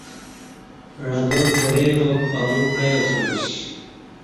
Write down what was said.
عدار درے واک پمو پعیاسمیش